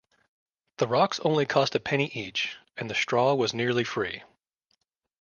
The rocks only cost a penny each, and the straw was nearly free.